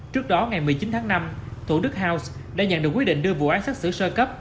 trước đó ngày một mươi chín tháng năm thủ đức house đã nhận được quyết định đưa vụ án xác xử sơ cấp